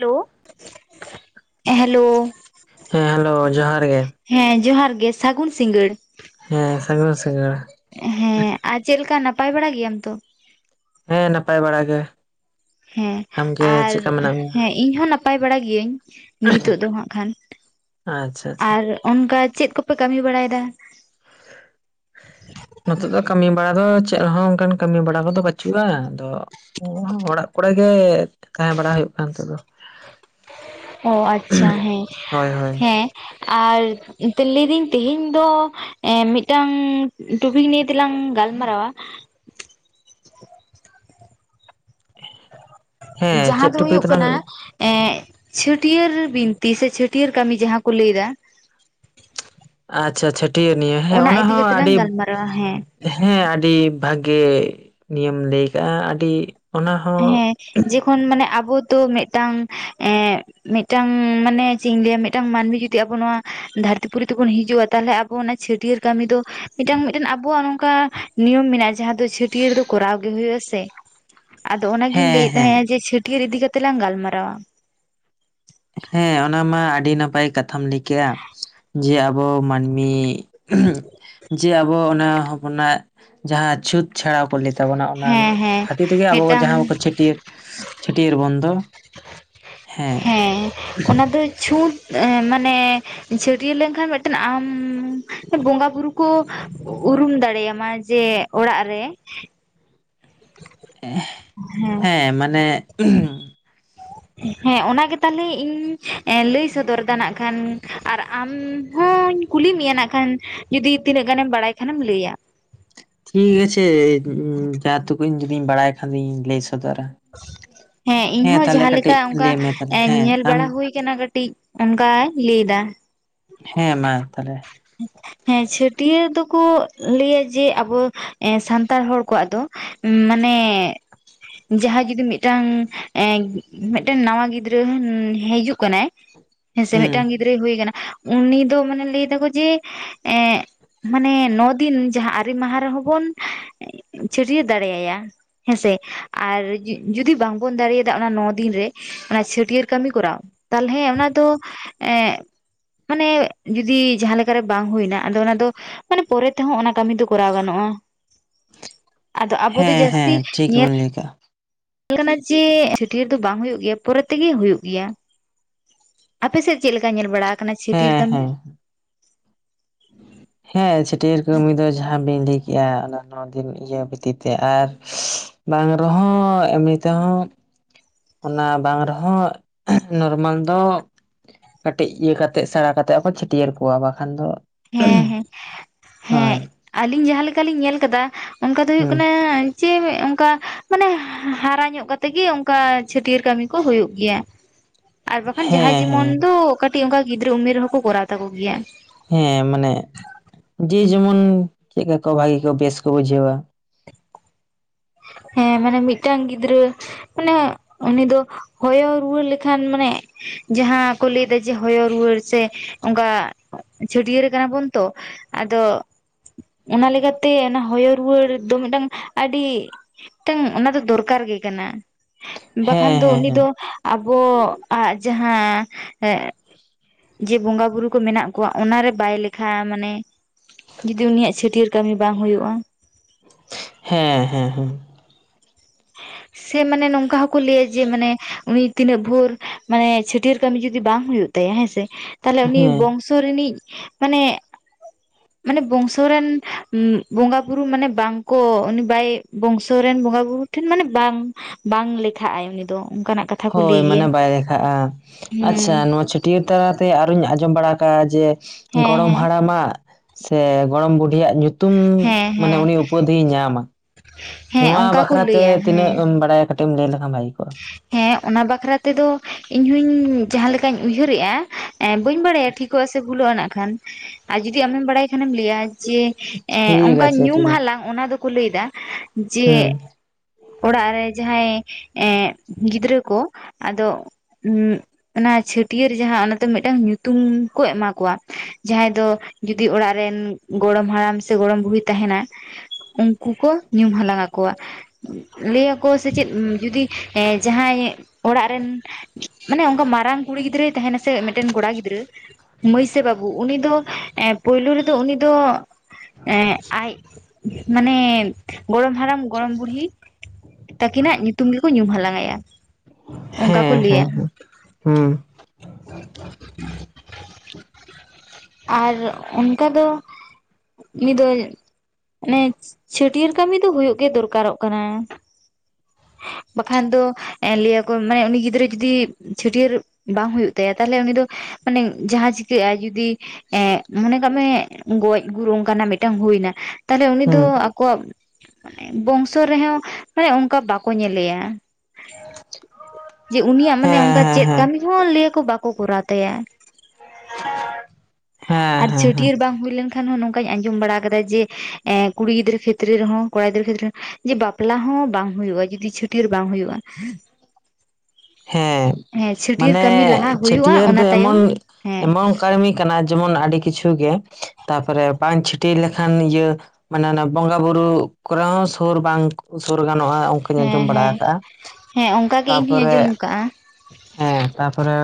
Hello, hello ᱦᱮᱸ hello ᱡᱚᱦᱟᱨ ᱜᱮ ᱾ ᱦᱮᱸ ᱡᱚᱦᱟᱨ ᱜᱮ, ᱥᱟᱹᱜᱩᱱ ᱥᱤᱸᱜᱟᱹᱲ ᱾ ᱦᱮᱸ, ᱥᱟᱹᱜᱩᱱ ᱥᱤᱸᱜᱟᱹᱲ ᱾ ᱦᱮᱸ, ᱟᱨ ᱪᱮᱫ ᱞᱮᱠᱟ? ᱱᱟᱯᱟᱭ ᱵᱟᱲᱟ ᱜᱮᱭᱟᱢ ᱛᱚ? ᱦᱮᱸ, ᱱᱟᱯᱟᱭ ᱵᱟᱲᱟ ᱜᱮ। ᱦᱮᱸ, ᱟᱢᱜᱮ ᱟᱨ, ᱪᱮᱫᱠᱟ ᱢᱮᱱᱟᱜ ᱢᱮᱭᱟ ᱦᱮᱸ ᱤᱧ ᱦᱚᱸ, ᱱᱟᱯᱟᱭ ᱵᱟᱲᱟ ᱜᱤᱭᱟᱹᱧ ᱱᱤᱛᱳᱜ ᱫᱚ ᱦᱟᱸᱜ, ᱠᱷᱟᱱ ᱟᱪᱪᱷᱟ ᱟᱪᱪᱷᱟ ᱾ ᱟᱨ, ᱚᱱᱠᱟ ᱪᱮᱫ ᱠᱚᱯᱮ, ᱠᱟᱹᱢᱤ ᱵᱟᱲᱟᱭ ᱮᱫᱟ? ᱱᱚᱛᱮ ᱫᱚ, ᱠᱟᱹᱢᱤ ᱵᱟᱲᱟ ᱫᱚ, ᱪᱮᱫ ᱦᱚᱸ ᱚᱱᱠᱟᱱ, ᱠᱟᱹᱢᱤ ᱵᱟᱲᱟ ᱠᱚᱫᱚ, ᱵᱟᱹᱪᱩᱜᱼᱟ, ᱟᱫᱚ [inaudible] ᱚᱼ ᱚᱲᱟᱜ ᱠᱚᱨᱮ ᱜᱮ, ᱛᱟᱦᱮᱸ ᱵᱟᱲᱟ ᱦᱩᱭᱩᱜ ᱠᱟᱱᱟ, ᱱᱤᱛᱳᱜ ᱫᱚ ᱾ ᱚ ᱟᱪᱪᱷᱟ ᱾ ᱦᱮᱸ, ᱦᱳᱭ ᱦᱳᱭ ᱦᱮᱸ, ᱟᱨ ᱫᱤᱞᱞᱤ ᱨᱤᱧ ᱛᱮᱦᱮᱧ ᱫᱚ, ᱮᱸᱻ ᱢᱤᱫᱴᱟᱝ ᱴᱚᱯᱤᱠ ᱱᱤᱭᱮ, ᱛᱮᱞᱟᱝ ᱜᱟᱞᱢᱟᱨᱟᱣᱟ ᱦᱮᱸ ᱡᱟᱦᱟᱸ ᱪᱮᱫ ᱫᱚ, ᱴᱚᱯᱤᱠ ᱦᱩᱭᱩᱜ ᱛᱟᱞᱟᱝ ᱠᱟᱱᱟ ᱮᱸᱻᱜ, ᱪᱷᱟᱹᱴᱭᱟᱹᱨ ᱵᱤᱱᱛᱤ ᱥᱮ, ᱪᱷᱟᱹᱴᱭᱟᱹᱨ ᱠᱟᱹᱢᱤ, ᱡᱟᱦᱟᱸ ᱠᱚ, ᱞᱟᱹᱭ ᱮᱫᱟ ᱟᱪᱪᱷᱟ ᱟᱪᱪᱷᱟ, ᱴᱷᱤᱠ ᱱᱤᱭᱟᱹ, ᱾ ᱦᱮᱸᱼ ᱚᱱᱟ ᱤᱫᱤ ᱦᱚᱸ, ᱠᱟᱛᱮ ᱞᱟᱝ ᱟᱹᱰᱤ ᱜᱟᱞᱢᱟᱨᱟᱣᱟ ᱦᱮᱸ ᱦᱮᱸ, ᱟᱹᱰᱤ ᱵᱷᱟᱜᱮ, ᱱᱤᱭᱮᱢ ᱞᱟᱹᱭ ᱟᱠᱟᱜᱼᱟ, ᱟᱹᱰᱤ ᱚᱱᱟ ᱦᱚᱸ ᱦᱮᱸᱻ, ᱡᱮᱠᱷᱚᱱ ᱢᱟᱱᱮ, ᱟᱵᱚ ᱛᱚ, ᱢᱤᱫᱴᱟᱝ ᱮᱸᱻᱜ ᱢᱤᱫᱴᱟᱝ ᱢᱟᱱᱮ ᱪᱮᱫ ᱤᱧ ᱞᱟᱹᱭᱟ ᱢᱤᱫᱴᱟᱝ ᱢᱟᱹᱱᱢᱤ ᱡᱩᱫᱤ, ᱟᱵᱚ ᱱᱚᱣᱟ, ᱫᱷᱟᱹᱨᱛᱤ ᱯᱩᱨᱤ, ᱛᱮᱵᱚᱱ ᱦᱤᱡᱩᱜᱼᱟ ᱾ ᱛᱟᱦᱚᱞᱮ, ᱟᱵᱚ, ᱚᱱᱟ ᱪᱷᱟᱹᱴᱭᱟᱹᱨ ᱠᱟᱹᱢᱤ ᱫᱚ, ᱢᱤᱫᱴᱟᱝ, ᱢᱤᱫᱴᱟᱝ, ᱟᱵᱚᱣᱟᱜ ᱱᱚᱝᱠᱟ, ᱱᱤᱭᱚᱢ ᱢᱮᱱᱟᱜᱼᱟ ᱾ ᱡᱟᱦᱟᱸ ᱫᱚ, ᱪᱷᱟᱹᱴᱭᱟᱹᱨ ᱫᱚ, ᱠᱚᱨᱟᱣ ᱜᱮ, ᱦᱳᱭᱳᱜᱼᱟ ᱥᱮ? ᱟᱫᱚ ᱚᱱᱟᱜᱤᱧ ᱦᱮᱸ ᱞᱟᱹᱭᱮᱫ ᱦᱮᱸ ᱛᱟᱦᱮᱸᱜᱼᱟ ᱡᱮ ᱪᱷᱟᱹᱴᱭᱟᱹᱨ ᱤᱫᱤ ᱠᱟᱛᱮᱜ ᱞᱟᱝ ᱜᱟᱞᱢᱟᱨᱟᱣᱟ? ᱦᱮᱸ ᱚᱱᱟᱢᱟ ᱟᱹᱰᱤ ᱱᱟᱯᱟᱭ ᱠᱟᱛᱷᱟᱢ ᱞᱟᱹᱭ ᱠᱮᱫᱼᱟ ᱡᱮ ᱟᱵᱚ ᱢᱟᱹᱱᱢᱤᱼᱼ ᱩᱸᱦᱩ ᱡᱮ ᱟᱵᱚ ᱚᱱᱟ ᱦᱚᱯᱚᱱᱟᱜ ᱡᱟᱦᱟᱸ ᱪᱷᱩᱸᱛ ᱪᱷᱟᱲᱟᱣ ᱠᱚ ᱞᱟᱹᱭᱼᱼ ᱛᱟᱵᱚᱱᱟ ᱚᱱᱟ ᱦᱮᱸ ᱦᱮᱸ ᱠᱷᱟᱹᱛᱤᱨ ᱛᱮᱜᱮ ᱟᱵᱚ ᱢᱤᱫᱴᱟᱝ ᱡᱟᱦᱟᱸ ᱪᱷᱟᱹᱴᱭᱟᱹᱨᱼᱼ ᱪᱷᱟᱹᱴᱭᱟᱹᱨ ᱵᱚᱱ ᱫᱚ ᱦᱮᱸ ᱚᱱᱟ ᱫᱚ ᱪᱷᱩᱸᱛ ᱮᱸ ᱢᱟᱱᱮᱼᱼ ᱪᱷᱟᱹᱴᱭᱟᱹᱨ ᱞᱮᱱᱠᱷᱟᱱ ᱢᱤᱫᱴᱮᱱ ᱟᱢ ᱵᱚᱸᱜᱟ ᱵᱩᱨᱩ ᱠᱚᱼᱼ ᱩᱨᱩᱢ ᱫᱟᱲᱮᱭᱟᱢᱟ ᱡᱮ ᱚᱲᱟᱜ ᱨᱮᱼᱼ ᱦᱮᱸ ᱢᱟᱱᱮᱼᱼ ᱦᱮᱸ ᱚᱱᱟᱜᱮ ᱛᱟᱞᱦᱮ ᱤᱧ ᱞᱟᱹᱭ ᱮᱸ ᱥᱚᱫᱚᱨ ᱫᱟ ᱱᱟᱜ ᱠᱷᱟᱱ᱾ ᱟᱨ ᱟᱢ ᱦᱚᱸᱧ ᱠᱩᱞᱤ ᱢᱮᱭᱟ ᱱᱟᱜ ᱠᱷᱟᱱ ᱡᱩᱫᱤ ᱛᱤᱱᱟᱹᱜ ᱜᱟᱱᱮᱢ ᱵᱟᱲᱟᱭ ᱠᱷᱟᱱᱮᱢ ᱞᱟᱹᱭᱟ᱾ ᱴᱷᱤᱠ ᱟᱪᱷᱮ ᱡᱟ ᱴᱩᱠᱩᱧ ᱡᱩᱫᱤᱧ ᱵᱟᱲᱟᱭ ᱠᱷᱟᱱ ᱫᱚᱧ ᱞᱟᱹᱭ ᱥᱚᱫᱚᱨᱟ᱾ ᱦᱮᱸ ᱤᱧ ᱦᱚᱸ ᱛᱟᱦᱚᱞᱮ ᱡᱟᱦᱟᱸ ᱠᱟᱹᱴᱤᱡ ᱞᱮᱠᱟ ᱚᱱᱠᱟ᱾ ᱞᱟᱹᱭ ᱢᱮ ᱛᱟᱦᱚᱞᱮ ᱮ ᱦᱮᱸ ᱧᱮᱞ ᱟᱢ ᱵᱟᱲᱟ ᱦᱩᱭᱳ ᱟᱠᱟᱱᱟ ᱠᱟᱹᱴᱤᱡ ᱚᱱᱠᱟᱧ ᱞᱟᱹᱭᱮᱫᱟ᱾ ᱦᱮᱸ ᱢᱟ ᱛᱟᱦᱚᱞᱮ᱾ [inaudible] ᱦᱮᱸ ᱪᱷᱟᱹᱴᱭᱟᱹᱨ ᱫᱚᱠᱚ ᱞᱟᱹᱭᱟ ᱡᱮ ᱟᱵᱚ ᱥᱟᱱᱛᱟᱲ ᱦᱚᱲ ᱠᱚᱣᱟᱜ ᱫᱚᱼᱼ ᱢᱟᱱᱮᱼᱼ ᱡᱟᱦᱟᱸᱭ ᱡᱩᱫᱤ ᱢᱤᱫᱴᱟᱝ ᱢᱤᱫᱴᱟᱝ ᱱᱟᱣᱟ ᱜᱤᱫᱽᱨᱟᱹ ᱦᱤᱡᱩᱜ ᱠᱟᱱᱟᱭ᱾ ᱦᱮᱸᱥᱮ ᱦᱩᱸ ᱢᱤᱫᱴᱟᱝ ᱜᱤᱫᱽᱨᱟᱹᱭ ᱦᱩᱭᱟᱠᱟᱱᱟ ᱩᱱᱤ ᱫᱚ ᱢᱟᱱᱮ ᱞᱟᱹᱭ ᱫᱟᱠᱚᱼᱼ ᱡᱮ ᱢᱟᱱᱮ ᱱᱚᱫᱤᱱ ᱡᱟᱦᱟᱸ ᱟᱨᱮ ᱢᱟᱦᱟ ᱨᱮᱦᱚᱸ ᱵᱚᱱ ᱪᱷᱟᱹᱴᱭᱟᱹᱫᱟᱲᱮ ᱟᱭᱟ᱾ ᱦᱮᱸᱥᱮ ᱟᱨ ᱡᱩᱫᱤ ᱵᱟᱝ ᱵᱚᱱ ᱫᱟᱲᱮᱭᱟᱫᱟ ᱚᱱᱟ ᱱᱚ ᱫᱤᱱ ᱨᱮᱼᱼ ᱚᱱᱟ ᱪᱷᱟᱹᱴᱭᱟᱹᱨ ᱠᱟᱹᱢᱤ ᱠᱚᱨᱟᱣ ᱛᱟᱦᱞᱮ ᱦᱮᱸ ᱚᱱᱟ ᱫᱚ ᱮᱸᱼᱼ ᱢᱟᱱᱮ ᱡᱩᱫᱤ ᱡᱟᱦᱟᱸ ᱞᱮᱠᱟᱼᱼ ᱵᱟᱝ ᱦᱩᱭᱱᱟ ᱟᱫᱚ ᱚᱱᱟ ᱢᱟᱱᱮ ᱯᱚᱨᱮ ᱛᱮᱦᱚᱸ ᱚᱱᱟ ᱠᱟᱹᱢᱤ ᱫᱚ ᱠᱚᱨᱟᱣ ᱜᱟᱱᱚᱜᱼᱟ᱾ ᱟᱫᱚ ᱟᱵᱚ ᱫᱚ ᱡᱟᱹᱥᱛᱤ ᱧᱮᱞᱼᱼ ᱞᱮᱠᱟᱼᱟ ᱧᱮᱞ ᱠᱟᱱᱟ ᱡᱮ ᱪᱷᱟᱹᱴᱭᱟᱹᱨ ᱫᱚ ᱵᱟᱝ ᱦᱳᱭᱳᱜ ᱜᱮᱭᱟ ᱯᱚᱨᱮ ᱛᱮᱜᱮ ᱦᱳᱭᱳᱜ ᱜᱮᱭᱟ᱾ ᱟᱯᱮᱥᱮᱫ ᱪᱮᱫᱮᱠᱟ ᱧᱮᱞ ᱵᱟᱲᱟ ᱟᱠᱟᱱᱟ ᱪᱷᱟᱹᱴᱭᱟᱹᱨ ᱦᱮᱸ ᱠᱟᱹᱢᱤ? ᱦᱮᱸ [inaudible] ᱦᱮᱸ ᱪᱷᱟᱹᱴᱭᱟᱹᱨ ᱠᱟᱹᱢᱤ ᱫᱚ ᱡᱟᱦᱟᱸ ᱵᱤᱱ ᱞᱟᱹᱭ ᱠᱮᱜᱼᱟ ᱚᱱᱟ ᱱᱚ ᱫᱤᱱ ᱤᱭᱟᱹ ᱵᱷᱤᱛᱤᱨ ᱛᱮ ᱟᱨᱼᱼ ᱵᱟᱝ ᱨᱮᱦᱚᱸ ᱮᱢᱱᱤ ᱛᱮᱦᱚᱸ ᱚᱱᱟ ᱵᱟᱝ ᱨᱮᱦᱚᱸ ᱱᱚᱨᱢᱟᱞ ᱫᱚᱼᱼ ᱠᱟᱹᱴᱤᱡ ᱤᱭᱟᱹ ᱠᱟᱛᱮ ᱥᱮᱬᱟ ᱠᱟᱛᱮᱜ ᱦᱚᱸ ᱠᱚ ᱪᱷᱟᱹᱴᱭᱟᱹᱨ ᱠᱚᱣᱟ ᱵᱟᱠᱷᱟᱱ ᱫᱚ ᱦᱮᱸ ᱦᱮᱸ ᱦᱮᱸ ᱦᱳᱭ ᱟᱞᱤᱧ ᱡᱟᱦᱟᱸ ᱞᱮᱠᱟᱞᱤᱧ ᱧᱮᱞ ᱟᱠᱟᱫᱟ ᱚᱱᱠᱟ ᱫᱚ ᱦᱩᱭᱩᱜ ᱦᱩᱸ ᱠᱟᱱᱟᱼᱼ ᱡᱮ ᱚᱱᱠᱟ ᱢᱟᱱᱮ ᱦᱟᱨᱟ ᱧᱚᱜ ᱠᱟᱛᱮ ᱜᱮ ᱚᱱᱠᱟ ᱪᱷᱟᱹᱴᱭᱟᱹᱨ ᱠᱟᱹᱢᱤ ᱠᱚ ᱦᱩᱭᱩᱜ ᱜᱮᱭᱟ᱾ ᱟᱨ ᱵᱟᱝ ᱠᱷᱟᱱ ᱡᱟᱦᱟᱸᱭ ᱦᱮᱸ ᱡᱮᱢᱚᱱ ᱦᱮᱸ ᱫᱚ ᱠᱟᱹᱴᱤᱡ ᱚᱱᱠᱟ ᱜᱤᱫᱽᱨᱟᱹ ᱩᱢᱮᱨ ᱨᱮᱦᱚ ᱠᱚ ᱠᱚᱨᱟᱣ ᱛᱟᱠᱚ ᱜᱮᱭᱟ᱾ ᱦᱮᱸ ᱢᱟᱱᱮ ᱡᱮ ᱡᱮᱢᱚᱱ ᱪᱮᱫ ᱞᱮᱠᱟ ᱠᱚ ᱵᱷᱟᱜᱤ ᱠᱚ ᱵᱮᱥ ᱠᱚ ᱵᱩᱡᱷᱟᱹᱣᱟ᱾ ᱦᱮᱸ ᱢᱟᱱᱮ ᱢᱤᱫᱴᱟᱝ ᱜᱤᱫᱽᱨᱟᱹ ᱢᱟᱱᱮ ᱩᱱᱤ ᱫᱚ ᱦᱚᱭᱚ ᱨᱩᱣᱟᱹᱲ ᱞᱮᱠᱷᱟᱱ ᱢᱟᱱᱮᱼᱼ ᱡᱟᱦᱟᱸ ᱠᱚ ᱞᱟᱹᱭᱫᱚ ᱡᱮ ᱦᱚᱭᱚ ᱨᱩᱣᱟᱹᱲ ᱥᱮ ᱚᱱᱠᱟ᱾ ᱪᱷᱟᱹᱴᱭᱟᱹᱨ ᱠᱟᱱᱟ ᱵᱚᱱ ᱛᱚ ᱟᱫᱚᱼᱼ ᱚᱱᱟ ᱞᱮᱠᱟ ᱛᱮ ᱚᱱᱟ ᱦᱚᱭᱚ ᱨᱩᱣᱟᱹᱲ ᱫᱚ ᱢᱤᱫᱴᱟᱝ ᱟᱹᱰᱤ ᱢᱤᱫᱴᱟᱝ ᱚᱱᱟ ᱫᱚ ᱫᱚᱨᱠᱟᱨ ᱜᱮ ᱠᱟᱱᱟ ᱵᱟᱠᱷᱟᱱ ᱦᱮᱸ ᱫᱚ ᱦᱮᱸ ᱩᱱᱤ ᱫᱚᱼᱼ ᱦᱮᱸ ᱟᱵᱚᱣᱟᱜ ᱡᱟᱦᱟᱸ [inaudible] ᱡᱮ ᱵᱚᱸᱜᱟ ᱵᱩᱨᱩ ᱠᱚ ᱢᱮᱱᱟᱜ ᱠᱚᱣᱟ ᱚᱱᱟᱨᱮ ᱵᱟᱭ ᱞᱮᱠᱷᱟ ᱢᱟᱱᱮ ᱡᱩᱫᱤ ᱩᱱᱤᱭᱟᱜ ᱪᱷᱟᱹᱴᱭᱟᱹᱨ ᱠᱟᱹᱢᱤ ᱵᱟᱝ ᱦᱳᱭᱳᱜᱼᱟ᱾ ᱦᱮᱸ ᱦᱮᱸ ᱦᱮᱸ, [unintelligible] ᱥᱮ ᱢᱟᱱᱮ ᱱᱚᱝᱠᱟ ᱦᱚᱸᱠᱚ ᱞᱟᱹᱭᱟ ᱡᱮ ᱢᱟᱱᱮ ᱩᱱᱤ ᱛᱤᱱᱟᱹᱜ ᱵᱷᱳᱨ ᱢᱟᱱᱮ ᱪᱷᱟᱹᱴᱭᱟᱹᱨ ᱠᱟᱹᱢᱤ ᱡᱩᱫᱤ ᱵᱟᱝ ᱦᱩᱭᱩᱜ ᱛᱟᱭᱟ ᱦᱮᱸᱥᱮ ᱛᱟᱦᱚᱞᱮ ᱩᱱᱤ ᱦᱮᱸ ᱵᱚᱝᱥᱚ ᱨᱤᱱᱤᱡ ᱢᱟᱱᱮ ᱢᱟᱱᱮ ᱵᱚᱝᱥᱚᱨᱮᱱ ᱵᱚᱸᱜᱟ ᱵᱩᱨᱩ ᱢᱟᱱᱮ ᱵᱟᱝᱠᱚ ᱩᱱᱤ ᱵᱟᱭ ᱵᱚᱝᱥᱚᱨᱮᱱ ᱵᱚᱸᱜᱟ ᱵᱩᱨᱩ ᱴᱷᱮᱱ ᱢᱟᱱᱮ ᱵᱟᱝ ᱵᱟᱝ ᱞᱮᱠᱷᱟᱜ ᱟᱭ ᱩᱱᱤ ᱫᱚ ᱚᱱᱠᱟᱱᱟᱜ ᱠᱟᱛᱷᱟ ᱠᱚ ᱞᱟᱹᱭ ᱦᱳᱭ ᱜᱮᱭᱟ ᱢᱟᱱᱮ ᱵᱟᱭ ᱞᱮᱠᱷᱟᱜᱼᱟ ᱾ ᱦᱩᱸ ᱟᱪᱪᱷᱟ, ᱱᱚᱣᱟ ᱪᱷᱟᱹᱴ ᱴᱭᱟᱹᱨ ᱛᱟᱞᱟᱛᱮ ᱟᱨᱚᱧ ᱟᱸᱡᱚᱢ ᱵᱟᱲᱟ ᱠᱟᱜᱼᱟ ᱡᱮ ᱦᱮᱸ ᱜᱚᱲᱚᱢ ᱦᱮᱸ ᱦᱟᱲᱟᱢᱟᱜ ᱥᱮ ᱜᱚᱲᱚᱢ ᱵᱩᱰᱷᱤᱭᱟᱜ ᱧᱩᱛᱩᱢ ᱦᱮᱸ ᱢᱟᱱᱮ ᱦᱮᱸ ᱩᱱᱤ ᱩᱯᱟᱹᱫᱷᱤᱭᱮ ᱧᱟᱢᱟ᱾ ᱦᱮᱸ ᱱᱚᱣᱟ ᱚᱱᱠᱟ ᱠᱚ ᱵᱟᱠᱷᱨᱟᱛᱮ ᱞᱟᱹᱭᱟ ᱦᱮᱸ ᱛᱤᱱᱟᱹᱜ ᱮᱢ ᱵᱟᱲᱟᱭᱟ ᱠᱟᱹᱴᱤᱡ ᱮᱢ ᱞᱟᱹᱭ ᱞᱮᱠᱷᱟᱱ ᱵᱷᱟᱜᱤ ᱠᱚᱜᱼᱟ? ᱦᱮᱸ ᱚᱱᱟ ᱵᱟᱠᱷᱨᱟ ᱛᱮᱫᱚ ᱤᱧ ᱦᱩᱧ ᱡᱟᱦᱟᱸ ᱞᱮᱠᱟᱧ ᱩᱭᱦᱟᱹᱨᱮᱜᱼᱟ᱾ ᱮ ᱵᱟᱹᱧ ᱵᱟᱲᱟᱭᱟ ᱴᱷᱤᱠᱚᱜ ᱟ ᱥᱮ ᱵᱷᱩᱞᱟᱹᱜᱼᱟ ᱱᱟᱜ ᱠᱷᱟᱱ ᱟᱨ ᱡᱩᱫᱤ ᱟᱢᱮᱢ ᱵᱟᱲᱟᱭ ᱠᱷᱟᱱᱮᱢ ᱞᱟᱹᱭᱟ ᱡᱮ ᱮᱸ ᱴᱷᱤᱠ ᱚᱱᱠᱟ ᱟᱪᱷᱮ ᱧᱩᱢ ᱴᱷᱤᱠ ᱟᱪᱷᱮ ᱦᱟᱞᱟᱝ ᱚᱱᱟ ᱫᱚᱠᱚ ᱞᱟᱹᱭ ᱮᱫᱟ ᱡᱮ ᱦᱩᱸ ᱚᱲᱟᱜ ᱨᱮ ᱡᱟᱦᱟᱸᱭ ᱮᱸ ᱜᱤᱫᱽᱨᱟᱹ ᱠᱚ ᱟᱫᱚ ᱚᱱᱟ ᱪᱷᱟᱹᱴᱭᱟᱹᱨ ᱡᱟᱦᱟᱸ ᱚᱱᱟᱛᱮ ᱢᱤᱫᱴᱟᱝ ᱧᱩᱛᱩᱢ ᱠᱚ ᱮᱢᱟ ᱠᱚᱣᱟ ᱡᱟᱦᱟᱸᱭ ᱫᱚ ᱡᱩᱫᱤ ᱚᱲᱟᱜ ᱨᱮᱱ ᱜᱚᱲᱚᱢ ᱦᱟᱲᱟᱢ ᱥᱮ ᱜᱚᱲᱚᱢ ᱵᱩᱲᱦᱤ ᱛᱟᱦᱮᱱᱟ, ᱩᱱᱠᱩ ᱠᱚ ᱧᱩᱢ ᱦᱟᱞᱟᱝ ᱟᱠᱚᱣᱟ᱾ ᱞᱟᱹᱭᱟ ᱠᱚ ᱥᱮ ᱪᱮᱫ ᱡᱚᱫᱤ ᱡᱟᱦᱟᱸᱭ ᱚᱲᱟᱜ ᱨᱮᱱ ᱢᱟᱱᱮ ᱚᱱᱠᱟ ᱢᱟᱨᱟᱝ ᱠᱩᱲᱤ ᱜᱤᱫᱽᱨᱟᱹᱭ ᱛᱟᱦᱮᱱᱟ ᱥᱮ ᱢᱤᱫᱴᱮᱱ ᱠᱚᱲᱟ ᱜᱤᱫᱽᱨᱟᱹ ᱢᱟᱹᱭ ᱥᱮ ᱵᱟᱹᱵᱩ ᱩᱱᱤ ᱫᱚ ᱮᱸ ᱯᱳᱭᱞᱳ ᱨᱮᱫᱚ ᱩᱱᱤ ᱫᱚ ᱮᱸ ᱟᱡ ᱢᱟᱱᱮ ᱜᱚᱲᱚᱢ ᱦᱟᱲᱟᱢ ᱜᱚᱲᱚᱢ ᱵᱩᱲᱦᱤ ᱛᱟᱹᱠᱤᱱᱟᱜ ᱧᱩᱛᱩᱢ ᱜᱮᱠᱚ ᱧᱩᱢ ᱦᱟᱞᱟᱝ ᱟᱭᱟ᱾ ᱚᱱᱠᱟ ᱠᱚ ᱦᱮᱸ ᱞᱟᱹᱭᱟ ᱦᱮᱸ ᱦᱮᱸ ᱦᱩᱸ [inaudible] ᱟᱨ ᱚᱱᱠᱟ ᱫᱚ ᱩᱱᱤ ᱫᱚ ᱢᱟᱱᱮ ᱪᱷᱟᱹᱴᱭᱟᱹᱨ ᱠᱟᱹᱢᱤ ᱫᱚ ᱦᱳᱭᱳᱜ ᱜᱮ ᱫᱚᱨᱠᱟᱨᱚᱜ ᱠᱟᱱᱟ᱾ ᱵᱟᱠᱷᱟᱱ ᱫᱚ ᱮᱸ ᱞᱟᱹᱭᱟᱠᱚ ᱢᱟᱱᱮ ᱩᱱᱤ ᱜᱤᱫᱽᱨᱟᱹ ᱡᱩᱫᱤ ᱪᱷᱟᱹᱴᱭᱟᱹᱨ ᱵᱟᱝ ᱦᱩᱭᱩᱜ ᱛᱟᱭᱟ ᱛᱟᱦᱚᱞᱮ ᱩᱱᱤ ᱫᱚ ᱢᱟᱱᱮ ᱡᱟᱦᱟᱸ ᱪᱤᱠᱟᱹᱜ-ᱟᱭ ᱡᱩᱫᱤ ᱮᱸ ᱢᱚᱱᱮ ᱠᱟᱜ ᱢᱮ ᱜᱚᱡ ᱜᱩᱨᱩ ᱚᱱᱠᱟᱱᱟᱜ ᱢᱤᱫᱴᱟᱝ ᱦᱩᱭᱱᱟ ᱛᱟᱞᱦᱮ ᱩᱱᱤ ᱦᱩᱸ ᱫᱚ ᱟᱠᱚᱣᱟ ᱢᱟᱱᱮ ᱵᱚᱝᱥᱚ ᱨᱮᱦᱚᱸ ᱢᱟᱱᱮ ᱚᱱᱠᱟ ᱵᱟᱠᱚ ᱧᱮᱞᱮᱭᱟ᱾ ᱡᱮ ᱩᱱᱤᱭᱟᱜ ᱢᱟᱱᱮ ᱦᱮᱸ ᱚᱱᱠᱟ ᱦᱮᱸ ᱪᱮᱫ ᱦᱮᱸ ᱠᱟᱹᱢᱤ ᱦᱚᱸ ᱞᱟᱹᱭᱟᱠᱚ ᱵᱟᱠᱚ ᱠᱚᱨᱟᱣ ᱛᱟᱭᱟ᱾ [inaudible] ᱦᱮᱸ ᱟᱨ ᱦᱮᱸ ᱦᱮᱸ ᱪᱷᱟᱹᱴᱭᱟᱹᱨ ᱵᱟᱝ ᱦᱩᱭ ᱞᱮᱱᱠᱷᱟᱱ ᱠᱷᱟᱱ ᱦᱚᱸ ᱱᱚᱝᱠᱟᱧ ᱟᱡᱚᱢ ᱵᱟᱲᱟ ᱠᱟᱫᱟ ᱡᱮᱸ ᱮᱸ ᱠᱩᱲᱤ ᱜᱤᱫᱽᱨᱟᱹ ᱠᱷᱮᱛᱨᱮ ᱨᱮᱦᱚᱸ ᱠᱚᱲᱟ ᱜᱤᱫᱽᱨᱟᱹ ᱠᱷᱮᱛᱨᱮ ᱡᱮ ᱵᱟᱯᱞᱟ ᱦᱚᱸ ᱵᱟᱝ ᱦᱩᱭᱩᱜᱼᱟ ᱡᱩᱫᱤ ᱪᱷᱟᱹᱴᱭᱟᱹᱨ ᱵᱟᱝ ᱦᱩᱭᱩᱜᱼᱟ᱾ ᱦᱮᱸ ᱦᱮᱸ ᱪᱷᱟᱹᱴᱭᱟᱹᱨ ᱢᱟᱱᱮ ᱠᱟᱹᱢᱤ ᱞᱟᱦᱟ ᱦᱩᱭᱩᱜᱼᱟ ᱪᱷᱟᱹᱴᱭᱟᱹᱨ ᱚᱱᱟ ᱫᱚ ᱛᱟᱭᱚᱢ ᱮᱢᱚᱱ ᱦᱮᱸ ᱮᱢᱚᱱ ᱠᱟᱹᱢᱤ ᱠᱟᱱᱟ ᱡᱮᱢᱚᱱ ᱟᱹᱰᱤ ᱠᱤᱪᱷᱩ ᱜᱮ ᱛᱟᱨᱯᱚᱨᱮ ᱵᱟᱝ ᱪᱷᱟᱹᱴᱤᱭᱟᱨ ᱞᱮᱠᱷᱟᱱ ᱤᱭᱟᱹ ᱢᱟᱱᱮ ᱚᱱᱟ ᱵᱚᱸᱜᱟ ᱵᱩᱨᱩ ᱠᱚᱨᱮ ᱦᱚᱸ ᱥᱳᱨ ᱵᱟᱝ ᱥᱳᱨ ᱜᱟᱱᱚᱜᱼᱟ ᱚᱱᱠᱟᱧ ᱟᱸᱡᱚᱢ ᱦᱮᱸ ᱵᱟᱲᱟ ᱦᱮᱸ ᱟᱠᱟᱫᱼᱟ ᱦᱮᱸ ᱚᱱᱠᱟ ᱜᱮ ᱤᱧ ᱦᱚᱧ ᱛᱟᱯᱚᱨᱮ ᱟᱸᱡᱚᱢ ᱟᱠᱟᱜᱼᱟ ᱦᱮᱸ ᱛᱟᱯᱚᱨᱮ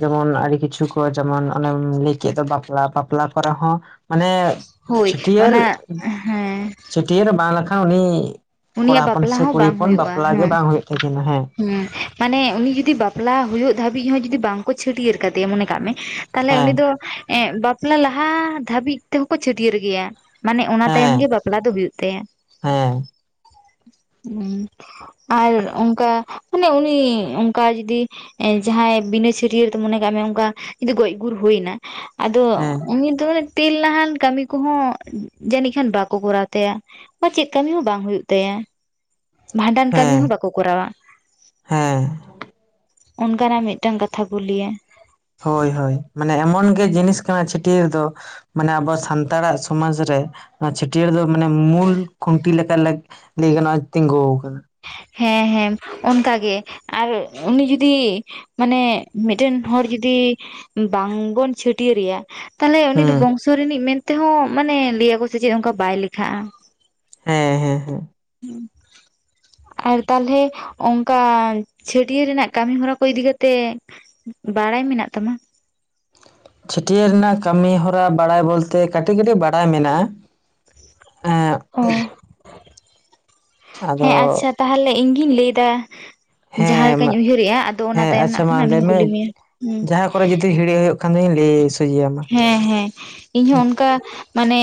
ᱡᱮᱢᱚᱱ ᱟᱹᱰᱤ ᱠᱤᱪᱷᱩ ᱠᱚ ᱡᱮᱢᱚᱱ ᱚᱱᱮᱢ ᱞᱟᱹᱭ ᱠᱮᱫ ᱫᱚ ᱵᱟᱯᱞᱟ ᱵᱟᱯᱞᱟ ᱠᱚᱨᱮ ᱦᱚᱸ ᱢᱟᱱᱮ ᱦᱳᱭ ᱪᱷᱟᱹᱴᱭᱟᱹᱨ ᱚᱱᱟ ᱦᱮᱸ, ᱪᱷᱟᱹᱴᱭᱟᱹᱨ ᱨᱮ ᱵᱟᱝ ᱞᱮᱠᱷᱟᱱ ᱩᱱᱤ ᱠᱚᱲᱟ ᱩᱱᱤᱭᱟᱜ ᱦᱚᱯᱚᱱ ᱵᱟᱯᱞᱟ ᱥᱮ ᱦᱚᱸ ᱠᱩᱲᱤ ᱦᱚᱯᱚᱱ ᱵᱟᱯᱞᱟ ᱜᱮ ᱵᱟᱝ ᱦᱳᱭᱳᱜ ᱛᱟᱹᱠᱤᱱᱟ ᱦᱮᱸ᱾ ᱦᱩᱸ ᱢᱟᱱᱮ ᱩᱱᱤ ᱡᱩᱫᱤ ᱵᱟᱯᱞᱟ ᱦᱳᱭᱳᱜ ᱫᱷᱟᱹᱵᱤᱡ ᱦᱚᱸ ᱡᱩᱫᱤ ᱵᱟᱝ ᱠᱚ ᱪᱷᱟᱹᱴᱭᱟᱹᱨ ᱠᱟᱫᱮᱭᱟ ᱢᱟᱱᱮ ᱠᱟᱜ ᱢᱮ ᱛᱟᱦᱚᱞᱮ ᱩᱱᱤ ᱦᱮᱸ ᱫᱚ ᱮ ᱵᱟᱯᱞᱟ ᱞᱟᱦᱟ ᱫᱷᱟᱹᱵᱤᱡ ᱛᱮᱦᱚᱸ ᱠᱚ ᱪᱷᱟᱹᱴᱭᱟᱹᱨ ᱮ ᱜᱮᱭᱟ᱾ ᱢᱟᱱᱮ ᱚᱱᱟ ᱛᱟᱭᱚᱢ ᱜᱮ ᱦᱮᱸ ᱵᱟᱯᱞᱟ ᱫᱚ ᱦᱩᱭᱩᱜ ᱛᱟᱭᱟ᱾ ᱦᱮᱸ ᱦᱩᱸ᱾ ᱟᱨ ᱚᱱᱠᱟ ᱢᱟᱱᱮ ᱩᱱᱤ ᱚᱱᱠᱟ ᱡᱩᱫᱤ ᱮ ᱡᱟᱦᱟᱸᱭ ᱵᱤᱱᱟᱹ ᱪᱷᱟᱹᱨᱭᱟᱹᱨ ᱛᱮ ᱢᱚᱱᱮ ᱠᱟᱜ ᱢᱮ ᱚᱱᱠᱟ ᱡᱮ ᱜᱚᱡ ᱜᱩᱨ ᱦᱩᱭᱱᱟ ᱟᱫᱚ ᱦᱮᱸ ᱩᱱᱤ ᱫᱚ, ᱛᱮᱞᱱᱟᱦᱟᱱ ᱠᱟᱹᱢᱤ ᱠᱚᱦᱚᱸ ᱡᱟᱹᱱᱤᱡ ᱠᱷᱟᱱ ᱵᱟᱠᱚ ᱠᱚᱨᱟᱣ ᱛᱟᱭᱟ᱾ ᱪᱮᱫ ᱠᱟᱹᱢᱤ ᱦᱚᱸ ᱵᱟᱝ ᱦᱩᱭᱩᱜ ᱛᱟᱭᱟ ᱵᱷᱟᱸᱰᱟᱱ ᱠᱟᱹᱢᱤ ᱦᱮᱸ ᱦᱚᱸ ᱵᱟᱠᱚ ᱠᱚᱨᱟᱣᱟ᱾ ᱦᱮᱸ ᱚᱱᱠᱟᱱᱟᱜ ᱢᱤᱫᱴᱟᱹᱝ ᱠᱟᱛᱷᱟ ᱠᱚ ᱞᱮᱭᱟ᱾ ᱦᱳᱭ ᱦᱳᱭ ᱢᱟᱱᱮ ᱮᱢᱚᱱ ᱜᱮ ᱡᱤᱱᱤᱥ ᱠᱟᱱᱟ ᱪᱷᱟᱹᱴᱭᱟᱹᱨ ᱫᱚ, ᱢᱟᱱᱮ ᱟᱵᱚ ᱥᱟᱱᱛᱟᱲᱟᱜ ᱥᱚᱢᱟᱡᱽ ᱨᱮ ᱱᱚᱣᱟ ᱪᱷᱟᱹᱴᱭᱟᱹᱨ ᱫᱚ ᱢᱟᱱᱮ ᱢᱩᱞ ᱠᱷᱩᱱᱴᱤ ᱞᱮᱠᱟ ᱞᱟᱹᱭ ᱜᱟᱱᱚᱜ ᱛᱤᱸᱜᱩ ᱠᱟᱱᱟ᱾ ᱦᱮᱸ ᱦᱮᱸ ᱚᱱᱠᱟᱜᱮ ᱟᱨ ᱩᱱᱤ ᱡᱩᱫᱤ ᱢᱟᱱᱮ ᱢᱤᱫᱴᱮᱱ ᱦᱚᱲ ᱡᱩᱫᱤ ᱵᱟᱝᱵᱚᱱ ᱪᱷᱟᱹᱴᱭᱟᱹᱨ ᱮᱭᱟ, ᱛᱟᱦᱚᱞᱮ ᱩᱱᱤ ᱫᱚ ᱦᱩᱸ ᱵᱚᱝᱥᱚ ᱨᱤᱱᱤᱡ ᱢᱮᱱᱛᱮᱦᱚᱸ ᱢᱟᱱᱮ ᱞᱟᱹᱭᱟᱠᱚ ᱥᱮ ᱪᱮᱫ ᱚᱱᱠᱟ ᱵᱟᱭ ᱞᱮᱠᱷᱟᱜᱼᱟ᱾ ᱦᱮᱸ ᱦᱮᱸ ᱦᱮᱸ ᱦᱩᱸ ᱟᱨ ᱛᱟᱦᱞᱮ ᱚᱱᱠᱟ ᱪᱷᱟᱹᱴᱭᱟᱹᱨ ᱨᱮᱱᱟᱜ ᱠᱟᱹᱢᱤ ᱦᱚᱨᱟ ᱠᱚ ᱤᱫᱤ ᱠᱟᱛᱮᱜ ᱵᱟᱲᱟᱭ ᱢᱮᱱᱟᱜ ᱛᱟᱢᱟ? ᱪᱷᱟᱹᱴᱭᱟᱹᱨ ᱨᱮᱱᱟᱜ ᱠᱟᱹᱢᱤ ᱦᱚᱨᱟ ᱵᱟᱲᱟᱭ ᱵᱚᱞᱛᱮ ᱠᱟᱹᱴᱤᱡ ᱠᱟᱹᱴᱤᱡ ᱵᱟᱲᱟᱭ ᱢᱮᱱᱟᱜᱼᱟ᱾ ᱮᱸᱜ ᱚ ᱟᱫᱚ ᱦᱮᱸ ᱟᱪᱪᱷᱟ ᱛᱟᱦᱚᱞᱮ ᱤᱧ ᱜᱤᱧ ᱞᱟᱹᱭ ᱮᱫᱟ᱾ ᱡᱟᱦᱟᱸ ᱦᱮᱸ ᱢᱟ ᱞᱮᱠᱟᱧ ᱩᱭᱦᱟᱹᱨᱮᱜᱼᱟ ᱟᱫᱚ ᱚᱱᱟ ᱦᱮᱸ ᱛᱟᱭᱚᱢ ᱟᱪᱪᱷᱟ ᱨᱮᱱᱟᱜ ᱠᱷᱟᱱ ᱢᱟ ᱞᱟᱹᱭ ᱟᱢᱤᱧ ᱢᱮ ᱠᱩᱞᱤ ᱢᱮᱭᱟ ᱦᱮᱸ᱾ ᱡᱟᱦᱟᱸ ᱠᱚᱨᱮ ᱡᱩᱫᱤ ᱦᱤᱲᱤᱡ ᱦᱩᱭᱩᱜ ᱠᱷᱟᱱ ᱫᱚᱧ ᱞᱟᱹᱭ ᱥᱩᱡᱮ ᱟᱢ - ᱟ᱾ ᱤᱧ ᱦᱚᱸ ᱚᱱᱠᱟ ᱢᱟᱱᱮ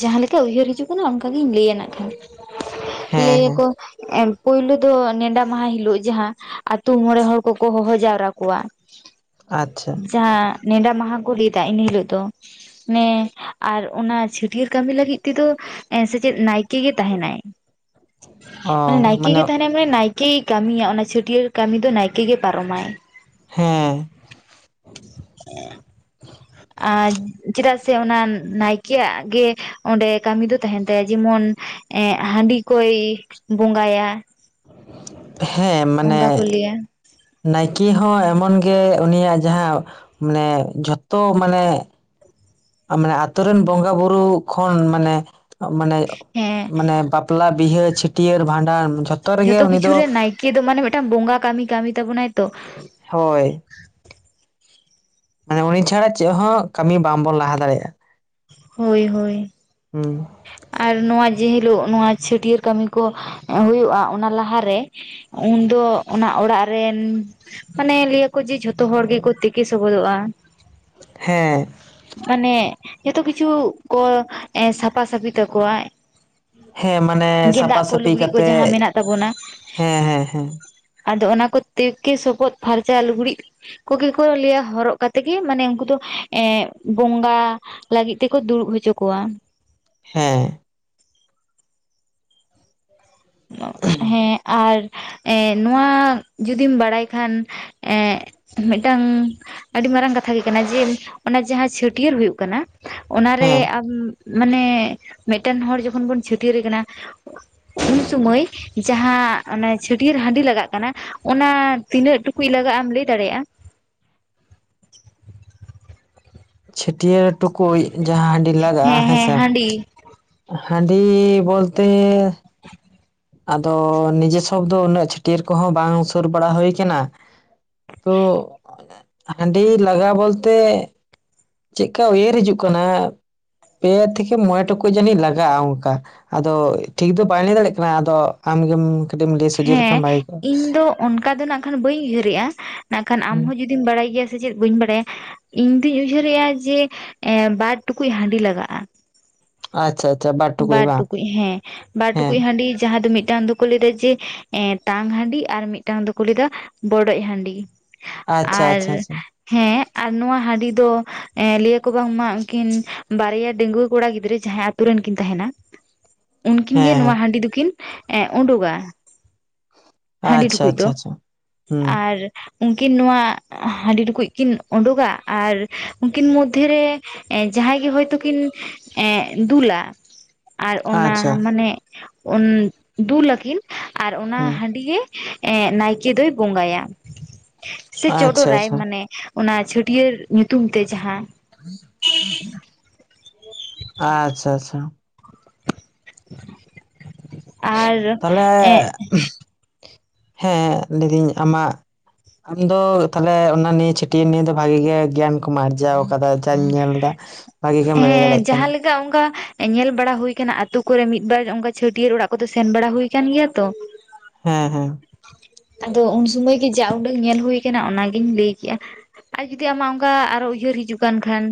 ᱡᱟᱦᱟᱸᱞᱮᱠᱟ ᱩᱭᱦᱟᱹᱨ ᱦᱤᱡᱩᱜ ᱠᱟᱱᱟ ᱚᱱᱠᱟ ᱜᱤᱧ ᱞᱟᱹᱭᱟ ᱱᱟᱜ ᱠᱷᱟᱱ᱾ ᱦᱮᱸ ᱦᱮᱸ ᱞᱟᱹᱭᱟᱠᱚ, ᱯᱩᱭᱞᱩ ᱫᱚ ᱱᱮᱰᱟ ᱢᱟᱦᱟ ᱦᱤᱞᱳᱜ ᱡᱟᱦᱟᱸ ᱟᱹᱛᱩ ᱢᱚᱬᱮ ᱦᱚᱲ ᱠᱚᱠᱚ ᱦᱚᱦᱚ ᱡᱟᱣᱨᱟ ᱠᱚᱣᱟ᱾ [inaudible] ᱟᱪᱪᱷᱟ ᱡᱟᱦᱟᱸ ᱱᱮᱰᱟ ᱢᱟᱦᱟ ᱠᱚ ᱞᱮᱫᱟ ᱮᱱᱦᱤᱞᱳᱜ ᱫᱚ᱾ ᱱᱮ ᱟᱨ ᱚᱱᱟ ᱪᱷᱟᱹᱴᱭᱟᱹᱨ ᱠᱟᱹᱢᱤ ᱞᱟᱹᱜᱤᱫ ᱛᱮᱫᱚ ᱥᱮᱞᱮᱫ ᱱᱟᱭᱠᱮ ᱜᱮ ᱛᱟᱦᱮᱱᱟᱭ᱾ ᱢᱟᱱᱮ ᱱᱟᱭᱠᱮ ᱜᱮ ᱛᱟᱦᱮᱱᱟᱭ ᱢᱟᱱᱮ ᱱᱟᱭᱠᱮ ᱜᱮ ᱠᱟᱹᱢᱤᱭᱟ ᱚᱱᱟ ᱪᱷᱟᱹᱴᱭᱟᱹᱨ ᱠᱟᱹᱢᱤ ᱫᱚ ᱱᱟᱭᱠᱮ ᱜᱮ ᱯᱟᱨᱚᱢᱟᱭ᱾ ᱦᱮᱸ ᱟᱨ ᱪᱮᱫᱟᱜ ᱥᱮ ᱚᱱᱟ ᱱᱟᱭᱠᱮᱭᱟᱜ ᱜᱮ ᱚᱸᱰᱮ ᱠᱟᱹᱢᱤ ᱫᱚ ᱛᱟᱦᱮᱱ ᱛᱟᱭᱟ ᱡᱮᱢᱚᱱ ᱦᱟᱺᱰᱤ ᱠᱚᱭ ᱵᱚᱸᱜᱟᱭᱟ᱾ ᱦᱮᱸ ᱢᱟᱱᱮ ᱚᱱᱠᱟ ᱠᱚ ᱞᱟᱹᱭᱟ ᱱᱟᱭᱠᱮ ᱦᱚᱸ ᱮᱢᱚᱱ ᱜᱮ ᱩᱱᱤᱭᱟᱜ ᱡᱟᱦᱟᱸ ᱢᱟᱱᱮ ᱡᱷᱚᱛᱚ ᱢᱟᱱᱮ ᱢᱟᱱᱮ ᱟᱹᱛᱩ ᱨᱮᱱ ᱵᱚᱸᱜᱟ ᱵᱩᱨᱩ ᱠᱷᱚᱱ ᱢᱟᱱᱮ ᱢᱟᱱᱮ ᱦᱮᱸ ᱢᱟᱱᱮ ᱵᱟᱯᱞᱟ, ᱵᱤᱦᱟᱹ, ᱪᱷᱟᱹᱴᱭᱟᱹᱨ, ᱵᱷᱟᱰᱟᱱ, ᱡᱷᱚᱛᱚ ᱠᱤᱪᱷᱩ ᱨᱮ ᱱᱟᱭᱠᱮ ᱫᱚ ᱢᱟᱱᱮ ᱢᱤᱫᱴᱟᱝ ᱵᱚᱸᱜᱟ ᱠᱟᱹᱢᱤ ᱠᱟᱹᱢᱤ ᱛᱟᱵᱚᱱᱟᱭ ᱛᱚ᱾ ᱦᱳᱭ ᱢᱟᱱᱮ ᱩᱱᱤ ᱪᱷᱟᱲᱟ ᱪᱮᱫ ᱦᱚᱸ ᱠᱟᱹᱢᱤ ᱵᱟᱝᱵᱚᱱ ᱞᱟᱦᱟ ᱫᱟᱲᱮᱭᱟᱜᱼᱟ᱾ ᱦᱳᱭ ᱦᱳᱭ। ᱦᱩᱸ। ᱟᱨ ᱱᱚᱣᱟ ᱡᱮ ᱦᱤᱞᱳᱜ ᱱᱚᱣᱟ ᱪᱷᱟᱹᱴᱭᱟᱹᱨ ᱠᱟᱹᱢᱤ ᱠᱚ ᱦᱳᱭᱳᱜᱼᱟ ᱚᱱᱟ ᱞᱟᱦᱟᱨᱮ ᱩᱱᱫᱚ ᱚᱱᱟ ᱚᱲᱟᱜ ᱨᱮᱱ ᱢᱟᱱᱮ ᱞᱟᱹᱭᱟᱠᱚ ᱡᱮ ᱡᱷᱚᱛᱚ ᱦᱚᱲ ᱜᱮᱠᱚ ᱛᱮᱠᱮ ᱥᱚᱵᱚᱫᱚᱜᱼᱟ ᱾ ᱦᱮᱸ ᱢᱟᱱᱮ ᱡᱷᱚᱛᱚ ᱠᱤᱪᱷᱩ ᱠᱚ ᱮᱸ ᱥᱟᱯᱷᱟ ᱥᱟᱯᱷᱤ ᱛᱟᱠᱚᱣᱟ᱾ ᱦᱮᱸ ᱢᱟᱱᱮ ᱜᱮᱸᱫᱟᱜ ᱥᱟᱯᱟ ᱠᱚ ᱥᱟᱹᱯᱤ ᱞᱩᱜᱽᱲᱤ ᱠᱚ ᱡᱟᱦᱟᱸ ᱠᱟᱛᱮᱜ ᱢᱮᱱᱟᱜ ᱛᱟᱵᱚᱱᱟ ᱦᱮᱸ ᱦᱮᱸ ᱦᱮᱸ ᱟᱫᱚ ᱚᱱᱟ ᱠᱚ ᱛᱮᱠᱮ ᱥᱚᱵᱚᱫ ᱯᱷᱟᱨᱪᱟ ᱞᱩᱜᱽᱲᱤ ᱠᱚᱜᱮ ᱠᱚ ᱞᱟᱹᱭᱟ ᱦᱚᱨᱚᱜ ᱠᱟᱛᱮᱜ ᱜᱮ ᱢᱟᱱᱮ ᱩᱱᱠᱩ ᱫᱚ ᱮᱸᱜ ᱵᱚᱸᱜᱟ ᱞᱟᱹᱜᱤᱫ ᱛᱮᱠᱚ ᱫᱩᱲᱩᱵ ᱦᱚᱪᱚ ᱠᱚᱣᱟ᱾ ᱦᱮᱸ ᱦᱮᱸ ᱟᱨ ᱮᱸᱜ ᱱᱚᱣᱟ ᱡᱩᱫᱤᱢ ᱵᱟᱲᱟᱭ ᱠᱷᱟᱱ ᱮᱸᱜ ᱢᱤᱫᱴᱟᱝ ᱟᱹᱰᱤ ᱢᱟᱨᱟᱝ ᱠᱟᱛᱷᱟ ᱜᱮ ᱠᱟᱱᱟ ᱡᱮ ᱚᱱᱟ ᱡᱟᱦᱟᱸ ᱪᱷᱟᱹᱴᱭᱟᱹᱨ ᱦᱩᱭᱩᱜ ᱠᱟᱱᱟ ᱚᱱᱟᱨᱮ ᱦᱮᱸ ᱟᱢ ᱢᱟᱱᱮ ᱢᱮᱫᱴᱮᱱ ᱦᱚᱲ ᱡᱚᱠᱷᱚᱱ ᱵᱚᱱ ᱪᱷᱟᱹᱴᱭᱟᱹᱨᱮ ᱠᱟᱱᱟ᱾ ᱩᱱ ᱥᱚᱢᱚᱭ ᱡᱟᱦᱟᱸ ᱚᱱᱮ ᱪᱷᱟᱹᱴᱭᱟᱹᱨ ᱦᱟᱺᱰᱤ ᱞᱟᱜᱟᱜ ᱠᱟᱱᱟ ᱚᱱᱟ ᱛᱤᱱᱟᱹᱜ ᱴᱩᱠᱩᱡ ᱞᱟᱜᱟᱜ ᱟ ᱮᱢ ᱞᱟᱹᱭ ᱫᱟᱲᱮᱭᱟᱜᱼᱟ? ᱪᱷᱟᱹᱴᱭᱟᱹᱨ ᱴᱩᱠᱩᱡ ᱡᱟᱦᱟᱸ ᱦᱟᱺᱰᱤ ᱞᱟᱜᱟᱜᱼᱟ ᱦᱮᱸ ᱦᱮᱸ ᱦᱮᱸᱥᱮ ᱦᱟᱺᱰᱤ ᱦᱟᱸᱰᱤ ᱵᱚᱞᱛᱮᱻ ᱟᱫᱚ ᱱᱤᱡᱮ ᱥᱚᱵ ᱫᱚ ᱩᱱᱟᱹᱜ ᱪᱷᱟᱹᱴᱭᱟᱹᱨ ᱠᱚᱦᱚᱸ ᱵᱟᱝ ᱥᱳᱨ ᱵᱟᱲᱟ ᱦᱳᱭ ᱟᱠᱟᱱᱟ᱾ ᱛᱚ ᱦᱟᱸᱰᱤ ᱞᱟᱜᱟᱣ ᱵᱚᱞᱛᱮ ᱪᱮᱫᱠᱟ ᱩᱭᱦᱟᱹᱨ ᱦᱤᱡᱩᱜ ᱠᱟᱱᱟ ᱯᱮ ᱛᱷᱮᱠᱮ ᱢᱚᱬᱮ ᱴᱩᱠᱩᱡ ᱡᱟᱹᱱᱤᱡ ᱞᱟᱜᱟᱜᱼᱟ ᱚᱱᱠᱟ ᱟᱫᱚ ᱴᱷᱤᱠ ᱫᱚ ᱵᱟᱧ ᱞᱟᱹᱭ ᱫᱟᱲᱮᱭᱟᱜ ᱠᱟᱱᱟ ᱟᱫᱚ ᱟᱢᱜᱮᱢ ᱠᱟᱹᱴᱤᱡ ᱮᱢ ᱞᱟᱹᱭ ᱥᱚᱡᱷᱮ ᱦᱮᱸ ᱞᱮᱠᱷᱟᱱ ᱵᱷᱟᱜᱮ ᱠᱚᱜᱼᱟ ᱤᱧ ᱫᱚ ᱚᱱᱠᱟ ᱫᱚ ᱱᱟᱜ ᱠᱷᱟᱱ ᱵᱟᱹᱧ ᱩᱭᱦᱟᱹᱨᱮᱜᱼᱟ ᱱᱟᱜ ᱠᱷᱟᱱ ᱟᱢ ᱦᱩᱸ ᱦᱚᱸ ᱡᱩᱫᱤ ᱡᱩᱫᱤᱢ ᱵᱟᱲᱟᱭ ᱜᱮᱭᱟ ᱥᱮ ᱪᱮᱫ ᱵᱟᱹᱧ ᱵᱟᱲᱟᱭᱟ ᱤᱧ ᱫᱩᱧ ᱩᱭᱦᱟᱹᱨᱮᱜᱼᱟ ᱡᱮ ᱮᱸ ᱵᱟᱨ ᱴᱩᱠᱩᱡ ᱦᱟᱺᱰᱤ ᱞᱟᱜᱟᱜᱼᱟ᱾ ᱟᱪᱪᱷᱟ ᱟᱪᱷᱟ ᱵᱟᱼᱼ ᱵᱟᱨ ᱴᱩᱠᱩᱡ ᱦᱮᱸ ᱵᱟᱨ ᱴᱩᱠᱩᱡ ᱦᱟᱺᱰᱤ ᱡᱟᱦᱟᱸ ᱫᱚ ᱢᱤᱫᱴᱟᱝ ᱫᱚ ᱠᱚ ᱞᱟᱹᱭ ᱫᱟ ᱡᱮ ᱮᱸ ᱛᱟᱝ ᱦᱟᱺᱰᱤ ᱟᱨ ᱢᱤᱫᱴᱟᱝ ᱫᱚᱠᱚ ᱞᱟᱹᱭᱫᱟ ᱵᱚᱰᱚᱡ ᱦᱟᱺᱰᱤ ᱟᱪᱪᱷᱟ ᱟᱨ ᱟᱪᱪᱷᱟ ᱟᱪᱪᱷᱟ ᱦᱮᱸ ᱟᱨ ᱱᱚᱣᱟ ᱦᱟᱺᱰᱤ ᱫᱚ ᱮᱸ ᱞᱟᱹᱭᱟᱠᱚ ᱵᱟᱝᱢᱟ ᱩᱱᱠᱤᱱ ᱵᱟᱨᱭᱟ ᱰᱟᱺᱜᱩᱣᱟᱹ ᱠᱚᱲᱟ ᱜᱤᱫᱽᱨᱟᱹ ᱡᱟᱦᱟᱸᱭ ᱟᱛᱩ ᱨᱮᱱ ᱠᱤᱱ ᱛᱟᱦᱮᱱᱟ ᱩᱱᱠᱤᱱ ᱜᱮ ᱦᱮᱸ ᱱᱚᱣᱟ ᱦᱮᱸ ᱦᱟᱺᱰᱤ ᱫᱚᱠᱤᱱ ᱮ ᱩᱰᱩᱜᱟ ᱦᱟᱺᱰᱤ ᱟᱪᱪᱷᱟ ᱴᱩᱠᱩᱡ ᱫᱚ ᱟᱪᱪᱷᱟ ᱟᱪᱪᱷᱟ ᱦᱩᱸ ᱟᱨ ᱩᱱᱠᱤᱱ ᱱᱚᱣᱟ ᱦᱟᱺᱰᱤ ᱴᱩᱠᱩᱡ ᱠᱤᱱ ᱩᱰᱩᱠᱟ ᱟᱨ ᱩᱱᱠᱤᱱ ᱢᱚᱫᱽᱫᱷᱮ ᱨᱮ ᱮᱸ ᱡᱟᱦᱟᱸᱭ ᱜᱮ ᱦᱳᱭᱛᱚ ᱠᱤᱱ ᱮᱸᱜ ᱫᱩᱞᱟ ᱟᱨ ᱚᱱᱟ ᱟᱪᱪᱷᱟ ᱢᱟᱱᱮ ᱚᱱ ᱫᱩᱞᱟᱠᱤᱱ ᱟᱨ ᱚᱱᱟ ᱦᱩᱸ ᱦᱟᱺᱰᱤ ᱜᱮ ᱮᱸᱜ ᱱᱟᱭᱠᱮ ᱫᱚᱭ ᱵᱚᱸᱜᱟᱭᱟ ᱥᱮ ᱪᱚᱰᱚᱨ ᱟᱪᱪᱷᱟ ᱨᱟᱭ ᱟᱪᱪᱷᱟ ᱢᱟᱱᱮ ᱚᱱᱟ ᱪᱷᱟᱹᱴᱭᱟᱹᱨ ᱧᱩᱛᱩᱢ ᱛᱮ ᱡᱟᱦᱟᱸ [inaudible] [inaudible] ᱟᱪᱪᱷᱟ ᱟᱪᱪᱷᱟ [inaudible] ᱛᱟᱞᱦᱮ ᱦᱮᱸ ᱞᱟᱹᱭᱫᱤᱧ ᱟᱢᱟᱜ ᱟᱢᱫᱚ ᱛᱟᱦᱞᱮ ᱚᱱᱟ ᱱᱤᱭᱮᱹ ᱪᱷᱟᱹᱴᱭᱟᱹᱨ ᱱᱤᱭᱮᱹ ᱫᱚ ᱵᱷᱟᱜᱤ ᱜᱮ ᱜᱮᱭᱟᱱ ᱠᱚᱢ ᱟᱨᱡᱟᱣ ᱠᱟᱫᱟ ᱡᱟᱧ ᱧᱮᱞ ᱫᱟ᱾ ᱵᱷᱟᱹᱜᱤ ᱜᱮᱢ ᱞᱟᱹᱭ ᱫᱟᱲᱮᱜ ᱠᱟᱱᱟ ᱾ ᱠᱟ ᱚᱱᱠᱟ ᱧᱮᱞ ᱵᱟᱲᱟ ᱦᱩᱭ ᱟᱠᱟᱱᱟ, ᱟᱛᱳ ᱠᱚᱨᱮ ᱢᱤᱫ ᱵᱟᱨ ᱚᱱᱠᱟ ᱪᱷᱟᱹᱴᱭᱟᱹᱨ ᱚᱲᱟᱜ ᱠᱚᱫᱚ ᱥᱮᱱ ᱵᱟᱲᱟ ᱦᱩᱭ ᱟᱠᱟᱱ ᱜᱮᱭᱟ ᱛᱚ᱾ [inaudible] ᱦᱮᱸ ᱦᱮᱸ᱾ ᱟᱫᱚ ᱩᱱ ᱥᱩᱢᱩᱭ ᱜᱮ ᱡᱟ ᱩᱰᱟᱹᱝ ᱧᱮᱞ ᱦᱩᱭ ᱟᱠᱟᱱᱟ ᱚᱱᱟ ᱜᱤᱧ ᱞᱟᱹᱭ ᱠᱮᱜᱼᱟ᱾ ᱟᱨ ᱡᱩᱫᱤ ᱟᱢᱟᱜ ᱚᱱᱠᱟ ᱟᱨᱚ ᱩᱭᱦᱟᱹᱨ ᱦᱤᱡᱩᱜ ᱠᱟᱱ ᱠᱷᱟᱱ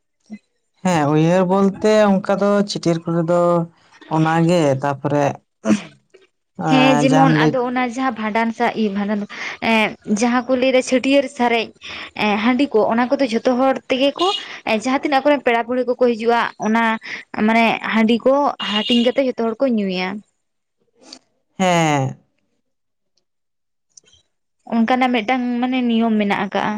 [inaudible] ᱦᱮᱸ ᱩᱭᱦᱟᱹᱨ ᱵᱳᱞᱛᱮ ᱚᱝᱠᱟ ᱫᱚ ᱪᱷᱟᱹᱴᱭᱟᱹᱨ ᱠᱚ ᱨᱮᱫᱚ ᱚᱱᱟ ᱜᱮ ᱛᱟᱯᱚᱨᱮ ᱦᱮᱸ ᱡᱟᱦᱟᱸᱢ ᱡᱮᱢᱚᱱ ᱞᱟᱹᱭ ᱟᱫᱚ ᱚᱱᱟ ᱡᱟᱦᱟᱸ ᱵᱷᱟᱸᱰᱟᱱ ᱥᱟ ᱤᱭᱟᱹ ᱵᱷᱟᱸᱰᱟᱱ ᱫᱚ ᱮᱸ ᱡᱟᱦᱟᱸ ᱠᱚ ᱞᱟᱹᱭ ᱫᱟ ᱪᱷᱟᱹᱴᱭᱟᱹᱨ ᱥᱟᱨᱮᱡ ᱮᱸ ᱦᱟᱺᱰᱤ ᱠᱚ, ᱚᱱᱟ ᱠᱚᱫᱚ ᱡᱷᱚᱛᱚ ᱦᱚᱲ ᱛᱮᱜᱮ ᱠᱚ ᱮᱸ ᱡᱟᱦᱟᱸ ᱛᱤᱱᱟᱹᱜ ᱟᱠᱚ ᱨᱮᱱ ᱯᱮᱲᱟ ᱯᱟᱹᱲᱦᱟᱹ ᱠᱚᱠᱚ ᱦᱤᱡᱩᱜᱼᱟ ᱚᱱᱟ ᱢᱟᱱᱮ ᱦᱟᱺᱰᱤ ᱠᱚ ᱦᱟᱴᱤᱧ ᱠᱟᱛᱮ ᱡᱷᱚᱛᱚ ᱦᱚᱲ ᱠᱚ ᱧᱩᱭᱟ᱾ ᱦᱮᱸ᱾ ᱚᱝᱠᱟᱱᱟᱜ ᱢᱤᱫᱴᱟᱝ ᱢᱟᱱᱮ ᱱᱤᱭᱚᱢ ᱢᱮᱱᱟᱜ ᱟᱠᱟᱜᱼᱟ᱾